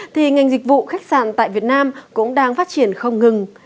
thì ngành dịch vụ khách sạn tại việt nam cũng đang phát triển không ngừng